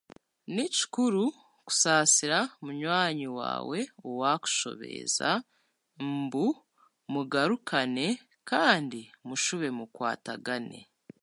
Ni kikuru kusaasira munywani waawe owaakushobeeza ngu mugarukane kandi mushube mukwatagane